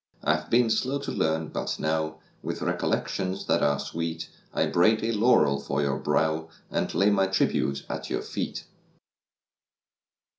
I have been slow to learn, but now, With recollections ■ that are sweet, I braid a laurel for your brow And lay my tribute at your eet.